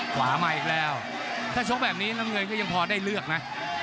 ขวามาอีกแล้วถ้าชกแบบนี้น้ำเงินก็ยังพอได้เลือกนะ